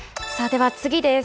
では次です。